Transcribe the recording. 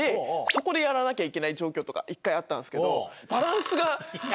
そこでやらなきゃいけない状況とか１回あったんですけど。